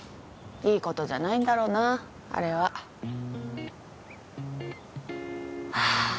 いいことじゃないんだろうなあれははあ